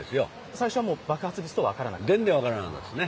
最初は爆発物とは分からなかったですね。